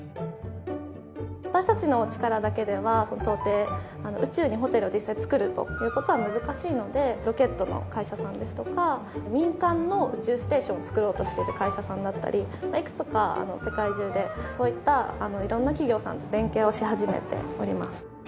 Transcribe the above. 私たちの力だけでは到底宇宙にホテルを実際造るという事は難しいのでロケットの会社さんですとか民間の宇宙ステーションを造ろうとしている会社さんだったりいくつか世界中でそういった色んな企業さんと連携をし始めております。